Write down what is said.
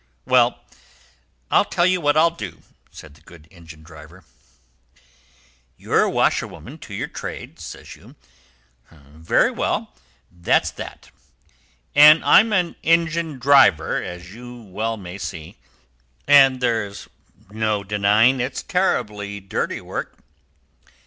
"Well, I'll tell you what I'll do," said the good engine driver. "You're a washerwoman to your trade, says you. Very well, that's that. And I'm an engine driver, as you well may see, and there's no denying it's terribly dirty work.